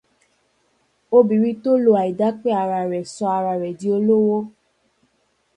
Obìnrin tó ló àìdàpé ara rẹ̀, sọ ara rẹ̀ di olówó.